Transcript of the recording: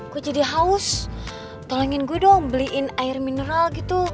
gue jadi haus tolongin gue dong beliin air mineral gitu